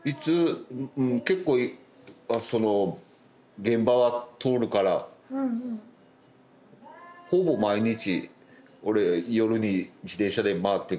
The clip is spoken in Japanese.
結構その現場は通るからほぼ毎日俺夜に自転車で回っていく。